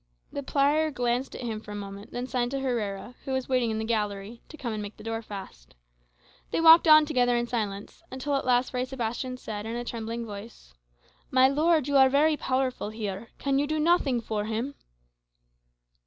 The prior glanced at him for a moment, then signed to Herrera, who was waiting in the gallery, to come and make the door fast. They walked on together in silence, until at length Fray Sebastian said, in a trembling voice, "My lord, you are very powerful here; can you do nothing for him?"